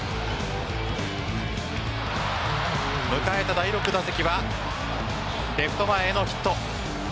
迎えた第６打席はレフト前へのヒット。